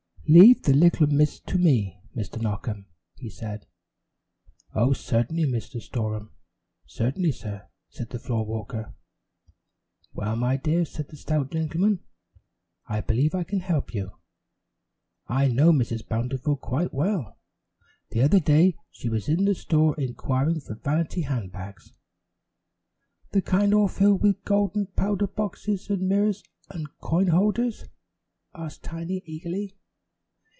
"Leave the little miss to me, Mr. Knockem," he said. "Oh, certainly, Mr. Storem; certainly, sir," said the floor walker. "Well, my dear," said the stout gentleman, "I believe I can help you. I know Mrs. Bountiful quite well. The other day she was in the store inquiring for vanity hand bags." "The kind all filled with golden powder boxes, and mirrors, and coin holders?" asked Tiny eagerly.